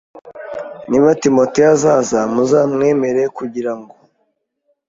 Niba Timoteyo azaza muzamwemere kugira ngo